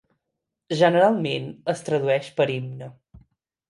Generalment, es tradueix per himne.